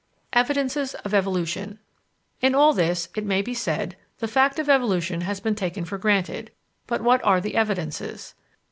Evidences of Evolution In all this, it may be said, the fact of evolution has been taken for granted, but what are the evidences?